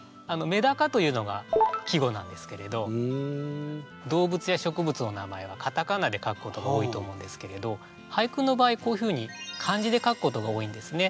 「目高」というのが季語なんですけれど動物や植物の名前はカタカナで書くことが多いと思うんですけれど俳句の場合こういうふうに漢字で書くことが多いんですね。